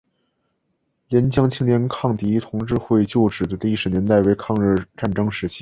廉江青年抗敌同志会旧址的历史年代为抗日战争时期。